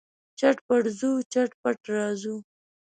چټ پټ ځو، چټ پټ راځو.